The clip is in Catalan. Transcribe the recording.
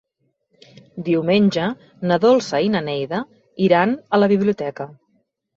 Diumenge na Dolça i na Neida iran a la biblioteca.